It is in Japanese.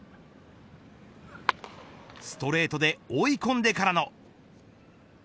ストレートで追い込んでからの。